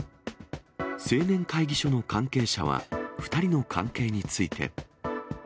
青年会議所の関係者は、２人の関係について。